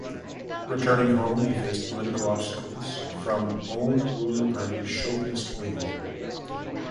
Returning home, he faced political obstacles from own ruling party chauvinist wing.